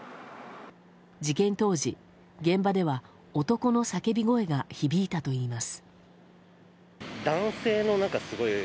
事件当時、現場では男の叫び声が響いたといいます。